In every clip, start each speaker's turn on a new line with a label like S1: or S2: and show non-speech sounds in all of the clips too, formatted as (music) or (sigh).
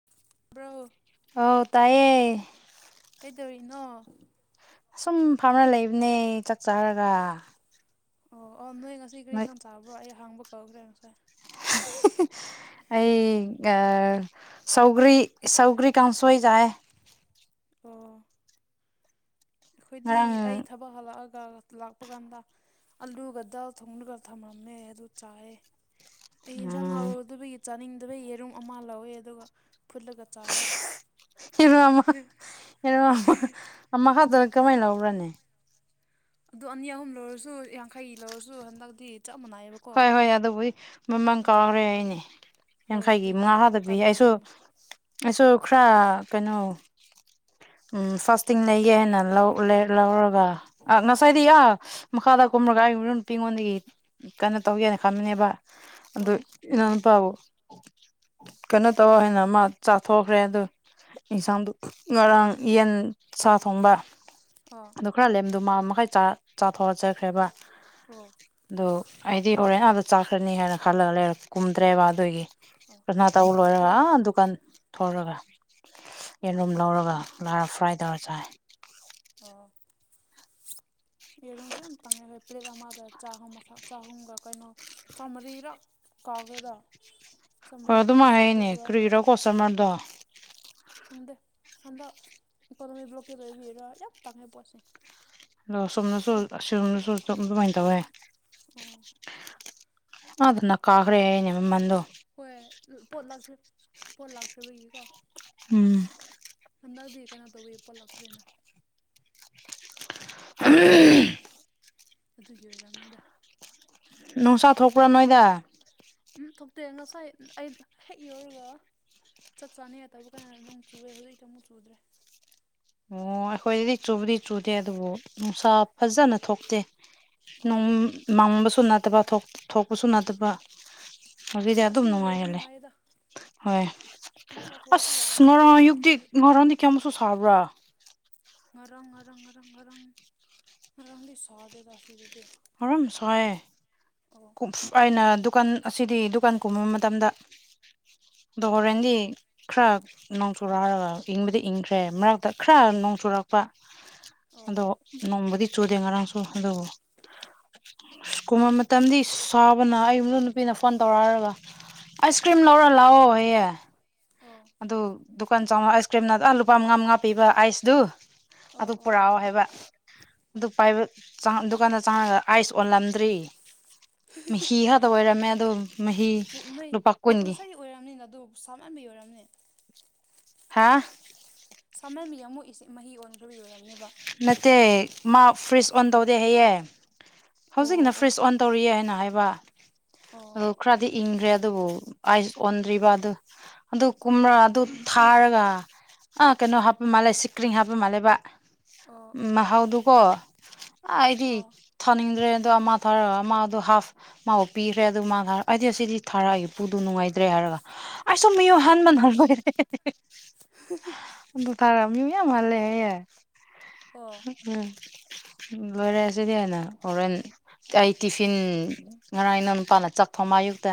S1: (unintelligible)
S2: ꯍꯥꯎ ꯇꯥꯏꯌꯦ
S1: ꯀꯩꯗꯧꯔꯤꯅꯣ
S2: ꯑꯁꯨꯝ ꯐꯥꯝꯔ ꯂꯩꯕꯅꯦ ꯆꯥꯛ ꯆꯥꯔꯒ
S1: ꯑꯣ ꯑꯣ ꯅꯣꯏ ꯉꯁꯤ ꯒꯥꯔꯤ
S2: ꯅꯣꯏ
S1: ꯏꯟꯁꯥꯡ ꯆꯥꯕ꯭ꯔꯣ ꯑꯩ ꯍꯥꯡꯕ ꯀꯧꯈ꯭ꯔꯦ ꯉꯁꯥꯏ
S2: ꯑꯩ ꯁꯧꯒ꯭ꯔꯤ ꯁꯧꯒ꯭ꯔꯤ ꯀꯥꯡꯁꯣꯏ ꯆꯥꯏ
S1: ꯑꯣ ꯑꯩꯈꯣꯏꯗꯤ
S2: ꯉꯔꯥꯡ
S1: ꯑꯩ ꯊꯕꯛ ꯍꯜꯂꯛꯑꯒ ꯂꯥꯛꯄ ꯀꯥꯟꯗ ꯑꯜꯂꯨꯒ ꯗꯥꯜ ꯊꯣꯡꯉꯒ ꯊꯝꯃꯝꯃꯦ ꯑꯗꯨ ꯆꯥꯏꯌꯦ ꯑꯩ ꯌꯦꯟꯁꯥꯡ
S2: ꯎꯝ
S1: ꯍꯥꯎꯗꯕꯒꯤ ꯆꯥꯅꯤꯡꯗꯕ ꯌꯦꯔꯨꯝ ꯑꯃ ꯂꯧꯋꯦ ꯑꯗꯨꯒ ꯐꯨꯠꯂꯒ ꯆꯥꯏꯌꯦ
S2: (unintelligible) ꯑꯃꯈꯛꯇ ꯀꯃꯥꯏ ꯂꯧꯕ꯭ꯔꯅꯦ
S1: ꯑꯗꯨ ꯑꯅꯤ ꯑꯍꯨꯝ ꯂꯧꯔꯁꯨ ꯌꯥꯡꯈꯩ ꯂꯧꯔꯁꯨ ꯍꯟꯗꯛꯇꯤ ꯆꯞ ꯃꯅꯥꯏꯕꯀꯣ
S2: ꯍꯣꯏ ꯍꯣꯏ ꯑꯗꯨꯕꯨꯗꯤ ꯃꯃꯜ ꯀꯥꯎꯈ꯭ꯔꯦ ꯍꯥꯏꯅꯦ
S1: ꯍꯣꯏ
S2: ꯌꯥꯡꯈꯩꯒꯤ
S1: ꯑꯗꯨꯒꯤ
S2: ꯃꯉꯥ ꯈꯛꯇ ꯄꯤꯌꯦ ꯑꯩꯁꯨ
S1: ꯀꯥꯟꯅꯗꯦꯅ
S2: ꯑꯩꯁꯨ ꯈꯔ ꯀꯩꯅꯣ ꯎꯝ ꯐꯥꯔꯁꯇꯤꯡ ꯂꯩꯌꯦ ꯍꯥꯏꯅ ꯂꯧ ꯂꯧꯔꯒ ꯑ ꯉꯁꯥꯏꯗꯤ ꯑꯥ ꯃ ꯃꯈꯥꯗ ꯀꯨꯝꯃꯔꯒ ꯑꯩ ꯍꯨꯔꯦꯟ ꯄꯤꯉꯣꯏ ꯀꯟꯅ ꯇꯧ ꯌꯥꯔꯤꯀꯥꯟꯗꯅꯦꯕ ꯑꯗꯨ
S1: ꯑꯣ
S2: ꯏꯅꯥꯎꯅꯨꯄꯥꯕꯨ ꯀꯩꯅꯣ ꯇꯧꯔ ꯍꯥꯏꯅ ꯑꯃ ꯆꯥꯊꯣꯛꯈ꯭ꯔꯦ ꯑꯗꯨ ꯌꯦꯟꯁꯥꯡꯗꯨ ꯉꯔꯥꯡ ꯌꯦꯟ ꯁꯥ ꯊꯣꯡꯕ
S1: ꯑꯣ
S2: ꯑꯗꯨ ꯈꯔ ꯂꯦꯝꯗꯣ ꯃꯥ ꯃꯈꯩ ꯆꯥ ꯆꯥꯊꯣꯛꯑ ꯆꯠꯈ꯭ꯔꯦꯕ
S1: ꯑꯣ
S2: ꯑꯗꯨ ꯑꯩꯗꯤ ꯍꯣꯔꯦꯟ ꯑꯥꯗ ꯆꯥꯛꯈ꯭ꯔꯅꯤ ꯍꯥꯏꯅ ꯈꯜꯂꯒ ꯂꯩꯔ ꯀꯨꯝꯗ꯭ꯔꯦꯕ ꯑꯗꯨꯒꯤ
S1: ꯑꯣ
S2: ꯀꯅꯥ ꯇꯧ ꯂꯣꯏꯔꯒ
S1: ꯀꯔꯤ
S2: ꯑꯥ ꯗꯨꯀꯥꯟ ꯊꯣꯔꯒ
S1: ꯑꯣ
S2: ꯌꯦꯟꯔꯨꯝ ꯂꯧꯔꯒ ꯅꯔ ꯐ꯭ꯔꯥꯏꯗꯧꯔ ꯆꯥꯏ
S1: ꯑꯣ ꯌꯦꯔꯨꯝꯁꯨ ꯌꯥꯝ ꯇꯥꯡꯉꯩ ꯍꯣꯏ ꯄ꯭ꯂꯦꯠ ꯑꯃꯗ ꯆꯍꯨꯝ ꯃꯊꯛ ꯆꯥꯍꯨꯝꯒ ꯀꯩꯅꯣ (unintelligible) ꯀꯥꯎꯈ꯭ꯔꯦꯗꯥ
S2: ꯍꯣꯏ ꯑꯗꯨꯝꯥꯏ ꯍꯥꯏꯅꯦ ꯀ꯭ꯔꯤꯔꯣ ꯀꯣꯁꯇꯃꯔꯗꯣ
S1: ꯈꯪꯗꯦ ꯍꯟꯗꯛ ꯏꯀꯣꯅꯣꯃꯤꯛ ꯕ꯭ꯂꯣꯀꯦꯠ ꯂꯩꯕꯒꯤꯔꯥ ꯌꯥꯝ ꯇꯥꯡꯉꯦ ꯄꯣꯠꯁꯦ
S2: ꯑꯣ ꯁꯣꯝꯅꯁꯨ
S1: ꯐꯪ
S2: ꯁꯣꯝꯅꯁꯨꯝ ꯑꯗꯨꯃꯥꯏꯅ ꯇꯧꯋꯦ
S1: ꯑꯣ
S2: ꯑ ꯑꯗꯨ ꯅ ꯀꯥꯈ꯭ꯔꯦꯅꯤꯃꯗꯨ
S1: ꯍꯣꯏ ꯄꯣꯠ ꯄꯣꯠ ꯂꯥꯛꯇꯕꯒꯤꯀꯣ
S2: ꯎꯝ
S1: ꯍꯟꯗꯛꯇꯤ ꯀꯩꯅꯣ ꯇꯧꯋꯦ ꯄꯣꯠ ꯂꯥꯛꯇ꯭ꯔꯦꯅ
S2: (unintelligible)
S1: ꯑꯗꯨꯒꯤ ꯑꯣꯏꯔꯝꯅꯤꯗ
S2: ꯅꯨꯡꯁꯥ ꯊꯣꯛꯄ꯭ꯔꯥ ꯅꯣꯏꯗ
S1: ꯎꯝ ꯊꯣꯛꯇꯦ ꯉꯁꯥꯏ ꯑꯩ ꯍꯦꯛ ꯌꯧꯔꯒ ꯆꯠ ꯆꯥꯅꯩꯉꯥꯏ ꯇꯧꯕ ꯀꯥꯟꯅ ꯅꯣꯡ ꯆꯨꯌꯦ ꯍꯧꯖꯤꯛꯇꯤ ꯑꯃꯨꯛ ꯆꯨꯗ꯭ꯔꯦ
S2: ꯑꯣ ꯑꯩꯈꯣꯏꯗꯗꯤ ꯆꯨꯕꯗꯤ ꯆꯨꯗꯦ ꯑꯗꯨꯕꯨ ꯅꯨꯡꯁꯥ ꯐꯖꯅ ꯊꯣꯛꯇꯦ
S1: ꯑꯣ
S2: ꯅꯣꯡ ꯃꯪꯕꯁꯨ ꯅꯠꯇꯕ ꯊꯣꯛꯄꯁꯨ ꯅꯠꯇꯕ
S1: ꯑꯣ ꯑꯁꯤ
S2: (unintelligible) ꯑꯗꯨꯝ
S1: ꯑꯁꯤꯅ ꯂꯩꯕ
S2: ꯅꯨꯡꯉꯥꯏꯍꯜꯂꯦ
S1: ꯅꯨꯡꯉꯥꯏꯌꯦꯗ
S2: ꯍꯣꯏ
S1: ꯅꯨꯡꯁꯥ ꯊꯣꯛꯑꯁꯨ
S2: ꯑꯁ
S1: ꯋꯥꯏ
S2: ꯉꯔꯥꯡ ꯑꯌꯨꯛꯇꯤ
S1: ꯁꯥꯃꯟꯕꯒꯤ
S2: ꯉꯔꯥꯡꯗꯤ ꯀꯌꯥꯃꯨꯛꯁꯨ ꯁꯥꯕ꯭ꯔꯥ
S1: ꯉꯔꯪ ꯉꯔꯪ ꯉꯔꯪ ꯉꯔꯪ ꯉꯥꯔꯪꯗꯤ ꯁꯗꯦꯗꯥ ꯁꯤꯗꯗꯤ
S2: ꯍꯔꯝ ꯁꯥꯏꯌꯦ
S1: ꯑꯣ
S2: ꯑꯩꯅ ꯗꯨꯀꯥꯟ ꯑꯁꯤꯗꯤ ꯗꯨꯀꯥꯟ ꯀꯨꯝꯕ ꯃꯇꯝꯗ ꯗꯣ ꯍꯣꯔꯦꯟꯗꯤ ꯈꯔ ꯅꯣꯡ ꯆꯨꯔꯛꯔꯒ ꯏꯪꯕꯗꯤ ꯏꯪꯈ꯭ꯔꯦ ꯃꯔꯛꯇ ꯈꯔ ꯅꯣꯡ ꯆꯨꯔꯛꯄ
S1: ꯑꯣ
S2: ꯑꯗꯣ ꯅꯣꯡꯕꯨꯗꯤ ꯆꯨꯗꯦ ꯉꯔꯥꯡꯁꯨ ꯑꯗꯣ ꯑꯁ ꯀꯨꯃꯝ__ ꯃꯇꯝꯗꯤ ꯁꯥꯕꯅ ꯑꯩ ꯏꯃꯧ ꯅꯨꯄꯤꯅ ꯐꯣꯟ ꯇꯧꯔꯛꯔꯒ ꯑꯥꯏꯁ ꯀ꯭ꯔꯤꯝ ꯂꯧꯔ ꯂꯥꯛꯑꯣ ꯍꯥꯏꯌꯦ
S1: ꯑꯣ
S2: ꯑꯗꯨ ꯗꯨꯀꯥꯟ ꯆꯥꯎꯉ ꯑꯥꯏꯁ ꯀ꯭ꯔꯤꯝ (unintelligible) ꯂꯨꯄꯥ ꯃꯉꯥ ꯃꯉꯥ ꯄꯤꯕ ꯑꯥꯏꯁꯗꯨ
S1: ꯑꯣ
S2: ꯑꯗꯨ
S1: ꯑꯣ
S2: ꯄꯨꯔꯛꯑꯣ ꯍꯥꯏꯕ ꯑꯗꯨ
S1: ꯎꯝ
S2: ꯄꯥꯏꯕ ꯆꯪ ꯗꯨꯀꯥꯟꯗ ꯆꯪꯉꯒ ꯑꯥꯏꯁ ꯑꯣꯜꯂꯝꯗ꯭ꯔꯤ ꯃꯍꯤ ꯈꯛꯇ ꯑꯣꯏꯔꯝꯃꯦ ꯑꯗꯣ ꯃꯍꯤ
S1: ꯅꯣꯏ
S2: ꯂꯨꯄꯥ ꯀꯨꯟꯒꯤ
S1: ꯉꯁꯥꯏꯒꯤ ꯑꯣꯏꯔꯝꯅꯤꯅ ꯑꯗꯨ ꯁꯥꯃꯟꯕꯤ ꯑꯣꯏꯔꯝꯅꯤ
S2: ꯍꯥ
S1: ꯁꯥꯃꯝꯕꯩ ꯑꯃꯨꯛ ꯏꯁ ꯃꯍꯤ ꯑꯣꯟꯈ꯭ꯔꯕꯩ ꯑꯣꯏꯔꯝꯅꯦꯕ
S2: ꯅꯠꯇꯦ ꯃꯥ ꯐ꯭ꯔꯤꯖ ꯑꯣꯟ ꯇꯧꯗꯦ ꯍꯥꯏꯌꯦ
S1: ꯑꯣ
S2: ꯍꯧꯖꯤꯛꯀꯤꯅ
S1: ꯑꯣ
S2: ꯐ꯭ꯔꯤꯖ ꯑꯣꯟ ꯇꯧꯔꯤꯌꯦꯅ ꯍꯥꯏꯅ
S1: ꯑꯣ
S2: ꯍꯏꯕꯥ ꯈꯔꯗꯤ ꯏꯪꯈ꯭ꯔꯦ ꯑꯗꯨꯕꯨ ꯑꯥꯏꯁ ꯑꯣꯟꯗ꯭ꯔꯤꯕ ꯑꯗꯨ ꯑꯗꯨ ꯀꯨꯝꯔ ꯑꯗꯨ ꯊꯥꯔꯒ ꯑꯥ ꯀꯩꯅꯣ ꯍꯥꯞ ꯃꯥꯜꯂꯦꯁꯤ ꯀ꯭ꯔꯤ ꯍꯥꯞꯄ ꯃꯥꯜꯂꯦꯕ
S1: ꯑꯣ ꯑꯣ ꯑꯣ ꯑꯣ
S2: ꯎꯃꯍꯥꯎꯗꯨꯀꯣ ꯑ ꯑꯩꯗꯤ ꯊꯥꯅꯤꯡꯗ꯭ꯔꯦꯗ ꯃꯥ ꯊꯥꯔ ꯑꯃ ꯑꯗꯨ ꯍꯥꯐ ꯃꯥꯕꯨ ꯄꯤꯈ꯭ꯔꯦ ꯑꯗꯨ ꯃꯥ ꯑꯩꯗꯤ ꯑꯁꯤꯗꯤ ꯊꯥꯔꯛꯑꯒꯦ ꯄꯨꯗꯨ ꯅꯨꯡꯉꯥꯏꯗ꯭ꯔꯦ ꯍꯥꯏꯔꯒ ꯑꯩꯁꯨ ꯃꯤꯌꯨꯝ (unintelligible)
S1: (unintelligible)
S2: ꯑꯗ ꯊꯥꯔꯥꯝ ꯃꯤ ꯃꯌꯥꯝ ꯍꯟꯂꯦ ꯍꯥꯏꯌꯦ
S1: ꯑꯣ
S2: ꯎꯝ ꯂꯣꯏꯔꯦ ꯑꯁꯤꯗꯤ ꯍꯥꯏꯅ ꯍꯣꯔꯦꯟ ꯑꯩ ꯇꯤꯐꯤꯟ ꯉꯔꯥꯡꯅ ꯅꯨꯄꯥꯅ ꯆꯥꯛ ꯊꯣꯡꯕꯥ ꯑꯥꯌꯨꯛꯇ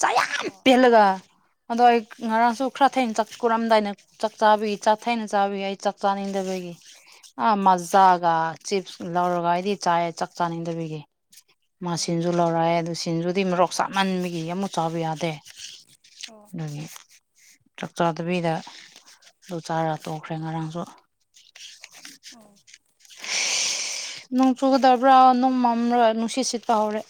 S2: ꯆꯥꯛ ꯌꯥꯝ ꯄꯦꯜꯂꯒ ꯑꯗꯣ ꯑꯩ ꯉꯔꯥꯡꯁꯨ ꯈꯔ ꯊꯦꯡꯅ ꯆꯥꯛ ꯀꯨꯔꯝꯗꯥꯏꯅ ꯆꯥꯛ ꯆꯥꯕꯤꯒꯤ ꯆꯥꯛꯊꯦꯅ ꯆꯥꯕꯤ ꯑꯩ ꯆꯥꯛ ꯆꯥꯅꯤꯡꯗꯕꯒꯤ ꯑ ꯃꯖꯥꯒ ꯆꯤꯞ꯭ꯁ ꯂꯧꯔꯒ ꯑꯩꯗꯤ ꯆꯥꯏꯌꯦ ꯆꯥꯛ ꯆꯥꯅꯤꯡꯗꯕꯤꯒꯤ
S1: ꯑꯣ
S2: ꯃꯥꯁꯤꯜꯖꯨ ꯂꯧꯔꯛꯑꯦ ꯑꯗꯨ ꯁꯤꯟꯖꯨꯗꯤ ꯃꯔꯣꯛ ꯆꯥꯃꯟꯕꯒꯤ ꯑꯃꯨꯛ ꯆꯥꯕ ꯌꯥꯗꯦ
S1: ꯑꯣ
S2: ꯎꯝ ꯆꯥꯛ ꯆꯥꯗꯕꯤꯗ ꯑꯗꯨ ꯆꯥꯔ ꯇꯣꯛꯈ꯭ꯔꯦ ꯉꯔꯥꯡꯁꯨ
S1: ꯑꯣ
S2: (unintelligible) ꯅꯣꯡ ꯆꯨꯒꯗꯕ꯭ꯔ ꯅꯣꯡ ꯃꯝꯔꯒ ꯅꯨꯡꯁꯤꯠ ꯁꯤꯠꯄ ꯍꯧꯔꯦ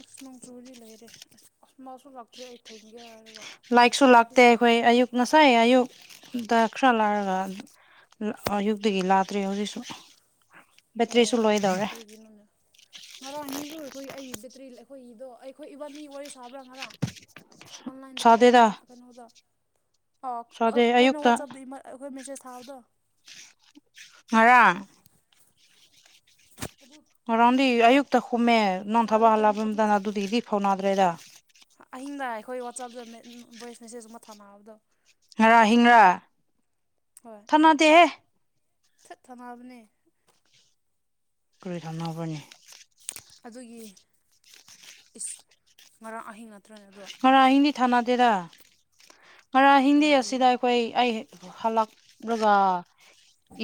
S1: ꯑꯁ ꯅꯣꯡꯆꯨꯕꯗꯤ ꯂꯩꯔꯦ ꯑꯁ ꯑꯁ ꯃꯥꯁꯨ ꯂꯥꯛꯇ꯭ꯔꯦ ꯑꯩ ꯊꯦꯡꯅꯒꯦꯔ ꯍꯥꯏꯔꯒ ꯑꯩ
S2: ꯂꯥꯏꯛꯁꯨ
S1: ꯊꯦꯡꯉꯗꯤ
S2: ꯂꯥꯛꯇꯦ ꯑꯩꯈꯣꯏ
S1: ꯑꯣꯐꯤꯁ
S2: ꯑꯌꯨꯛ ꯉꯁꯥꯏ ꯑꯌꯨꯛ ꯇ ꯈꯔ ꯂꯥꯛꯔꯒ ꯑꯌꯨꯛꯇꯒꯤ ꯂꯥꯛꯇ꯭ꯔꯦ ꯍꯧꯖꯤꯛꯁꯨ ꯕꯦꯇ꯭ꯔꯤꯁꯨ
S1: ꯑꯣ
S2: ꯂꯣꯏꯗꯧꯔꯦ
S1: ꯀꯔꯤꯒꯤꯅꯣꯅꯦ ꯉꯔꯥꯡ ꯑꯅꯤꯗ ꯑꯩꯈꯣꯏ ꯑꯩꯒꯤ ꯕꯦꯇ꯭ꯔꯤ ꯑꯩꯈꯣꯏꯒꯤꯗꯣ ꯑꯩꯈꯣꯏ ꯏꯕꯥꯅꯤ ꯋꯥꯔꯤ ꯁꯥꯕ꯭ꯔꯥ ꯉꯔꯥꯡ ꯑꯣꯟꯂꯥꯏꯟꯗꯔ
S2: ꯁꯥꯗꯦꯗ
S1: ꯑꯣꯐꯂꯥꯏꯟ ꯀꯩꯅꯣꯗ
S2: ꯁꯥꯗꯦ
S1: ꯀꯩꯅꯣ
S2: ꯑꯌꯨꯛꯇ
S1: ꯋꯥꯆꯞꯗꯤꯩ ꯑꯩꯈꯣꯏ ꯃꯦꯁꯦꯁ ꯊꯥꯕꯗꯣ
S2: ꯉꯔꯥꯡ
S1: (unintelligible)
S2: ꯉꯔꯥꯡꯗꯤ ꯑꯌꯨꯛꯇ ꯈꯨꯝꯃꯦ ꯅꯪ ꯊꯕꯛ
S1: ꯊꯥꯔꯤꯀꯥꯟ
S2: ꯍꯜꯂꯛꯄ
S1: ꯑꯗꯨ
S2: ꯃꯇꯝꯗ ꯑꯗꯨꯗꯒꯤꯗꯤ ꯐꯥꯎꯅꯗ꯭ꯔꯦꯗ
S1: ꯑꯍꯤꯡꯗ ꯑꯩꯈꯣꯏ ꯋꯥꯆꯞꯇ ꯚꯣꯏꯁ ꯃꯦꯁꯦꯖ ꯑꯃ ꯊꯥꯅꯕꯗꯣ
S2: ꯉꯔꯥꯡ ꯑꯍꯤꯡꯔꯥ
S1: ꯍꯣꯏ
S2: ꯊꯥꯟꯅꯗꯦꯍꯦ
S1: ꯊꯠ ꯊꯅꯥꯕꯅꯦ
S2: ꯀꯔꯤ ꯊꯝꯅꯕꯅꯤ
S1: ꯑꯗꯨꯒꯤ ꯏꯁ ꯉꯔꯥꯡ ꯑꯍꯤꯡ ꯅꯠꯇ꯭ꯔꯅꯦ ꯑꯗꯣ
S2: ꯉꯔꯥꯡ ꯑꯍꯤꯡꯗꯤ ꯊꯥꯅꯗꯦꯗ ꯉꯔꯥꯡ ꯑꯍꯤꯡꯗꯤ
S1: ꯑꯗꯨꯗꯤ
S2: ꯑꯁꯤꯗ ꯑꯩꯈꯣꯏ ꯑꯩ ꯍꯜꯂꯛꯂꯒ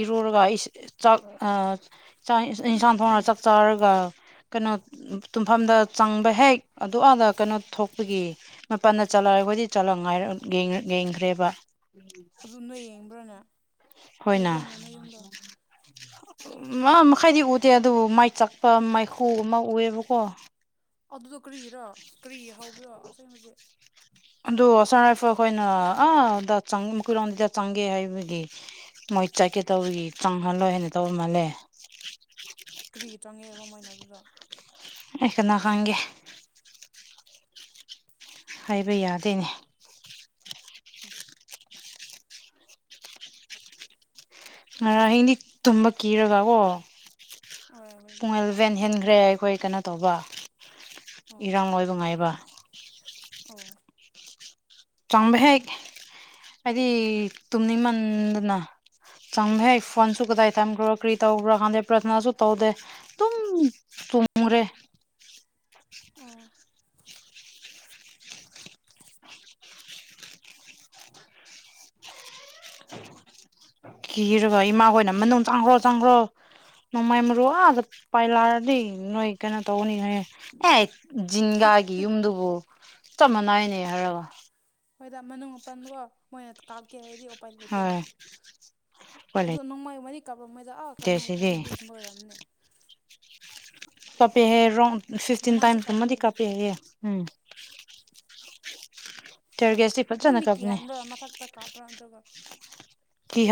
S2: ꯏꯔꯨꯔꯒ ꯑꯩ ꯆꯥꯛ ꯑ ꯏꯟꯁꯥꯡ ꯊꯣꯡꯉ ꯆꯥꯛ ꯆꯥꯔꯒ ꯀꯩꯅꯣ ꯇꯨꯝꯐꯝꯗ ꯆꯪꯕ ꯍꯦꯛ ꯑꯗꯨ ꯑꯗ ꯀꯩꯅꯣ ꯊꯣꯛꯄꯒꯤ ꯃꯄꯥꯟꯗ ꯆꯠꯂꯒ ꯑꯩꯈꯣꯏꯗꯤ ꯆꯠꯂ ꯉꯥꯏꯔ ꯌꯦꯡꯈ꯭ꯔꯦꯕ
S1: ꯑꯗꯨꯅꯣꯏ ꯌꯦꯡꯕ꯭ꯔꯅꯦ
S2: ꯈꯣꯏꯅ ꯃꯈꯥꯏꯗꯤ ꯎꯗꯦ ꯑꯗꯨꯕꯨ ꯃꯥꯏ ꯆꯥꯛꯄ ꯃꯥꯏꯈꯨ ꯑꯃ ꯎꯑꯦꯕꯀꯣ
S1: ꯑꯗꯨꯗꯣ ꯀꯔꯤꯔꯣ ꯀꯔꯤ ꯍꯧꯕꯤꯔꯣ ꯑꯁꯦꯡꯕꯖꯤꯛ
S2: ꯑꯗꯣ ꯑꯁꯥꯝ ꯔꯥꯏꯐꯜ ꯑꯩꯈꯣꯏꯅ ꯑꯥꯗ ꯃꯈꯣꯏꯔꯣꯗꯨꯗ ꯆꯪꯒꯦ ꯍꯥꯏꯕꯒꯤ ꯃꯣꯏ ꯆꯠꯀꯦ ꯇꯧꯕꯒꯤ ꯆꯪꯍꯜꯂꯣꯏ ꯍꯥꯏꯅ ꯇꯧꯕ ꯃꯥꯜꯂꯦ
S1: ꯀꯔꯤ ꯆꯪꯉꯦꯕ ꯃꯣꯏꯅ ꯑꯗꯨꯗ
S2: ꯑꯦ ꯀꯅꯥ ꯈꯪꯒꯦ ꯍꯥꯏꯕ ꯌꯥꯗꯦꯅꯦ
S1: (unintelligible)
S2: ꯉꯔꯥꯡ ꯑꯍꯤꯡꯗꯤ ꯇꯨꯝꯕ ꯀꯤꯔꯒꯀꯣ ꯫
S1: ꯫ (unintelligible)
S2: ꯏꯚꯦꯟ ꯍꯦꯟꯈ꯭ꯔꯦ ꯑꯩꯈꯣꯏ ꯀꯩꯅꯣ ꯇꯧꯕ
S1: ꯑꯣ
S2: ꯏꯔꯥꯡ ꯂꯣꯏꯕ ꯉꯥꯏꯕ
S1: ꯑꯣ
S2: ꯆꯥꯡꯕ ꯍꯦꯛ ꯍꯥꯏꯗꯤ ꯇꯨꯝꯅꯤꯡꯃꯟꯗꯅ (unintelligible) ꯐꯣꯟꯁꯨ ꯀꯗꯥꯏ ꯊꯝꯈ꯭ꯔꯣ ꯀꯔꯤ ꯇꯧꯈ꯭ꯔꯣ ꯈꯥꯟꯗꯦ ꯄ꯭ꯔꯊꯅꯥꯁꯨ ꯇꯧꯗꯦ ꯑꯗꯨꯝ ꯇꯨꯝꯃꯨꯔꯦ
S1: ꯑꯣ (inaudible)
S2: ꯀꯤꯔꯕ ꯏꯃꯥ ꯈꯣꯏꯅ ꯃꯅꯨꯡ ꯆꯪꯈ꯭ꯔꯣ ꯆꯪꯈ꯭ꯔꯣ ꯅꯣꯡꯃꯥꯏ ꯃꯔꯨ ꯑ ꯑꯥꯗ ꯄꯥꯏꯂꯛꯑꯗꯤ ꯅꯣꯏ ꯀꯩꯅꯣ ꯇꯧꯒꯅꯤ ꯍꯥꯏꯌꯦ ꯑꯦ ꯖꯤꯟꯒꯥꯒꯤ ꯌꯨꯝꯗꯨꯕꯨ ꯆꯞ ꯃꯥꯟꯅꯥꯏꯅꯦ ꯍꯥꯏꯔꯒ
S1: ꯍꯣꯏꯗ ꯃꯅꯨꯡ ꯃꯥꯄꯟꯒꯣ ꯃꯣꯏꯅ ꯀꯥꯞꯀꯦ ꯍꯥꯏꯗꯤ ꯂꯩ
S2: ꯍꯣꯏ ꯎꯄꯥꯏ
S1: ꯑꯗꯨꯅꯣꯡꯃꯩ ꯃꯅꯤ ꯇꯧꯔꯉꯣꯏꯗ ꯑꯥ
S2: ꯂꯩꯇꯦ
S1: ꯀꯩꯅꯣ
S2: ꯁꯤꯗꯤ
S1: ꯇꯥꯏꯒꯦꯁꯃ ꯑꯣꯏꯔꯝꯅꯦ
S2: ꯀꯞꯄꯦꯍꯦ ꯔꯥꯎꯟ ꯐꯤꯐꯇꯤꯟ
S1: ꯅꯣꯡꯃꯥꯏꯁꯨ
S2: ꯇꯥꯏꯝꯁꯀꯨꯝꯃꯗꯤ
S1: ꯀꯥꯞꯄ꯭ꯔꯅꯦ
S2: ꯀꯥꯄꯦ ꯍꯥꯏꯌꯦ ꯎꯝ
S1: ꯑꯣ
S2: ꯇꯔꯒꯦꯁꯇꯤ
S1: ꯑꯗꯨ
S2: ꯐꯖꯅ
S1: ꯃꯤꯀꯤ
S2: ꯀꯥꯞꯄꯅꯦ
S1: ꯍꯥꯏꯟꯕ꯭ꯔꯥ ꯃꯊꯛꯇ ꯀꯥꯞꯄ꯭ꯔꯥ ꯅꯠꯇ꯭ꯔꯒ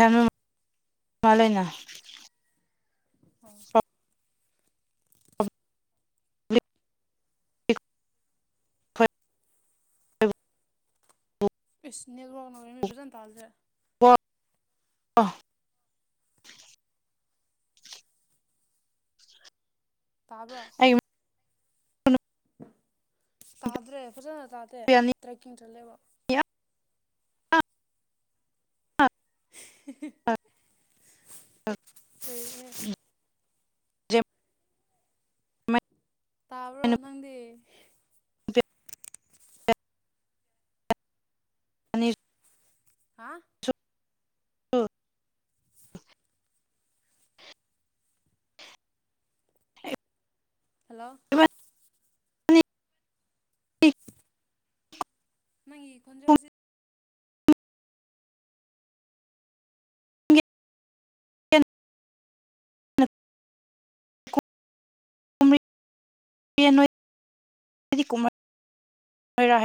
S1: ꯑꯣ
S2: ꯃꯥꯜꯂꯦꯅꯦ
S1: ꯑꯣ ꯏꯁ ꯅꯦꯠꯋꯥꯛꯅꯃꯤ ꯐꯖꯅ ꯇꯥꯗꯦ
S2: (unintelligible)
S1: ꯇꯥꯕ꯭ꯔꯣ
S2: ꯑꯩ
S1: ꯇꯥꯗ꯭ꯔꯦ ꯐꯖꯅ ꯇꯥꯗꯦ ꯇ꯭ꯔꯦꯛꯀꯤꯡ ꯆꯠꯂꯦꯕ (unintelligible)
S2: (unintelligible)
S1: ꯇꯥꯕ꯭ꯔꯣ ꯅꯪꯗꯤ
S2: (unintelligible) ꯑꯅꯤ
S1: ꯍꯥ
S2: (unintelligible)
S1: (unintelligible)
S2: (unintelligible)
S1: ꯍꯜꯂꯣ
S2: (unintelligible)
S1: ꯅꯪꯒꯤ ꯈꯣꯟꯖꯦꯜꯁꯤ
S2: (unintelligible) (unintelligible)